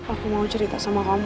aku mau cerita sama kamu